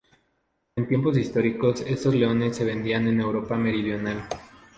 En tiempos históricos, estos leones se veían en Europa meridional.